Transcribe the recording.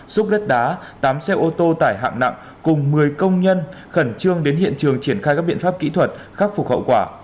xúc đất đá tám xe ô tô tải hạng nặng cùng một mươi công nhân khẩn trương đến hiện trường triển khai các biện pháp kỹ thuật khắc phục hậu quả